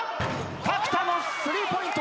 角田のスリーポイント。